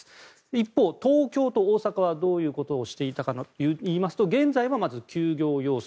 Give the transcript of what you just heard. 一方、東京と大阪はどういうことをしていたかといいますと現在はまず、休業要請。